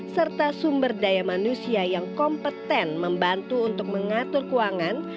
serta sumber daya manusia yang kompeten membantu untuk mengatur keuangan